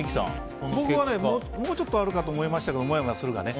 僕はもうちょっとあると思いましたけどモヤモヤするがね。